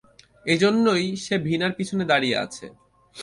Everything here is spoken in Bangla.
এজন্যই সে ভীনার পিছনে দাঁড়িয়ে আছে।